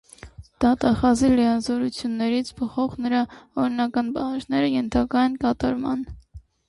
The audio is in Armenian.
Դատախազի լիազորություններից բխող նրա օրինական պահանջները ենթակա են կատարման։